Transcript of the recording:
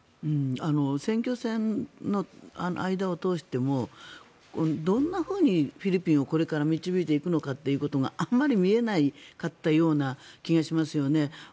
選挙戦の間を通してもどんなふうにフィリピンをこれから導いていくのかがあまり見えなかったような気がしますよね。